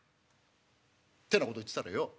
ってなこと言ってたらよ